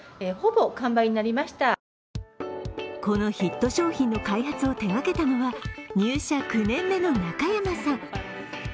売り場ではこのヒット商品の開発を手がけたのは入社９年目の中山さん。